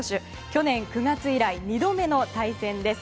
去年９月以来２度目の対戦です。